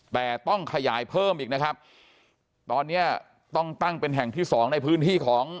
แต่ต้องขยายเพิ่มอีกนะครับตอนเนี้ยต้องตั้งเป็นแห่งที่สองในพื้นที่ของ